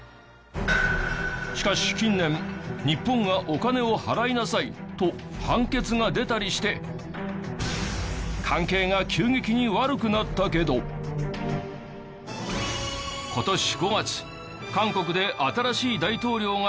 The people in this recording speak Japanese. しかし近年日本がお金を払いなさいと判決が出たりして関係が急激に悪くなったけど今年５月韓国で新しい大統領が就任しましたよね。